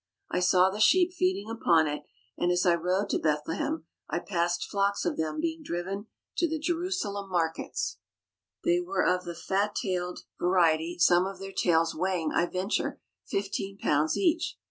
I saw the sheep feeding upon it, and as I rode to Bethlehem I passed flocks of them being driven to the Jerusalem markets. They were of the fat tailed 141 THE HOLY LAND AND SYRIA variety, some of their tails weighing, I venture, fifteen pounds each.